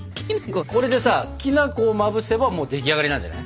これでさきな粉をまぶせばもう出来上がりなんじゃない。